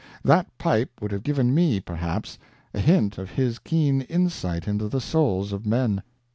That pipe would have given me, perhaps, a hint of his keen insight into the souls of men.